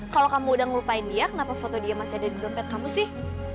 kalau kamu udah ngelupain dia kenapa foto dia masih ada di dompet kamu sih